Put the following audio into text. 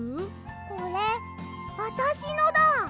これあたしのだ。